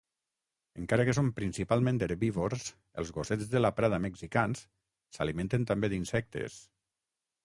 Encara que són principalment herbívors, els gossets de la prada mexicans s'alimenten també d'insectes.